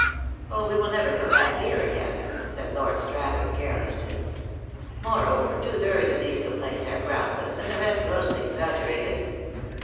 "Oh, we will never come back here again," said Lord Strathern, carelessly. " Moreover, two thirds of these complaints are groundless, and the rest grossly exaggerated."